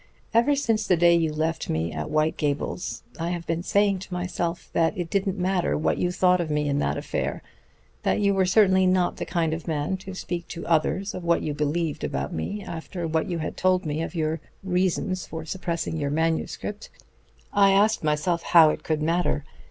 Ever since the day you left me at White Gables I have been saying to myself that it didn't matter what you thought of me in that affair; that you were certainly not the kind of man to speak to others of what you believed about me, after what you had told me of your reasons for suppressing your manuscript. I asked myself how it could matter.